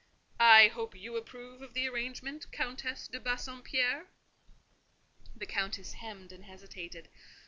I hope you approve of the arrangement, Countess de Bassompierre?" The Countess hemmed and hesitated.